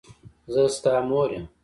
زه ستا مور یم.